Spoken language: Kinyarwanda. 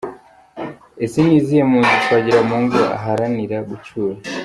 Ese ni izihe mpunzi Twagiramungu aharanira gucyura ?